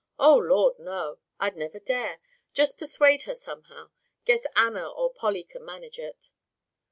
"Oh, Lord, no. I'd never dare. Just persuade her somehow. Guess Anna or Polly can manage it."